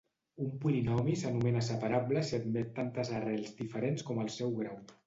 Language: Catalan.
Un polinomi s'anomena separable si admet tantes arrels diferents com el seu grau.